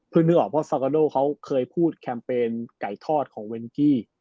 นึกออกเพราะซากาโดเขาเคยพูดแคมเปญไก่ทอดของเวนกี้